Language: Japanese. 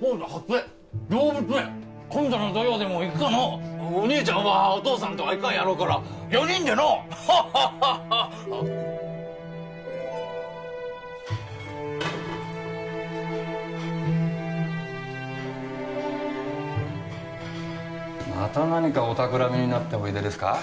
ほうだ初江動物園今度の土曜でも行くかのお兄ちゃんはお父さんとは行かんやろうから四人でのまた何かお企みになっておいでですか？